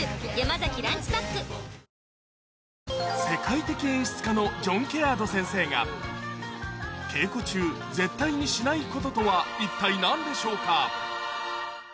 世界的演出家のジョン・ケアード先生が稽古中絶対にしないこととは一体何でしょうか？